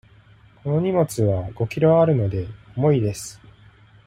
この荷物は五キロあるので、重いです。